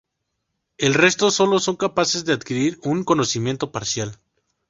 El resto solo son capaces de adquirir un conocimiento parcial.